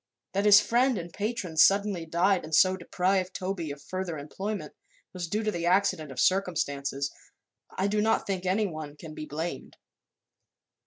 That his friend and patron suddenly died and so deprived Toby of further employment, was due to the accident of circumstances. I do not think anyone can be blamed."